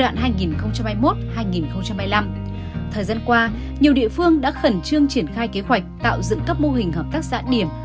năm hai nghìn hai mươi một hai nghìn hai mươi năm thời gian qua nhiều địa phương đã khẩn trương triển khai kế hoạch tạo dựng các mô hình hợp tác xã điểm